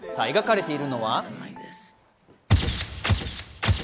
描かれているのは。